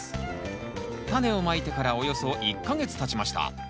タネをまいてからおよそ１か月たちました